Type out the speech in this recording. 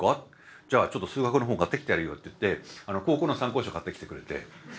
じゃあちょっと数学の本を買ってきてやるよ」って言って高校の参考書を買ってきてくれて。